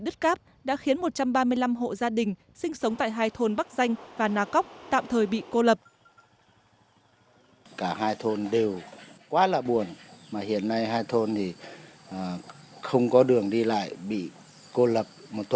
đất cáp đã khiến một trăm ba mươi năm hộ gia đình sinh sống tại hai thôn bắc danh và nà cóc tạm thời bị cô lập